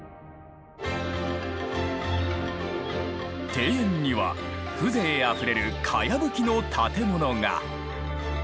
庭園には風情あふれるかやぶきの建物が。